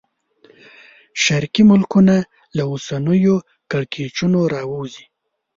شرقي ملکونه له اوسنیو کړکېچونو راووځي.